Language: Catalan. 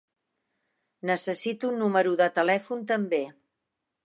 Necessito un número de telèfon també.